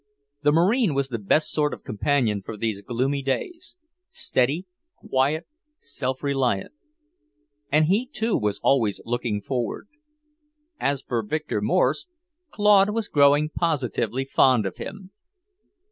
The Marine was the best sort of companion for these gloomy days; steady, quiet, self reliant. And he, too, was always looking forward. As for Victor Morse, Claude was growing positively fond of him.